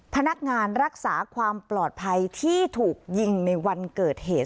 พนักงานรักษาความปลอดภัยที่ถูกยิงในวันเกิดเหตุ